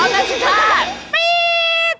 พร้อมนะสุชาติ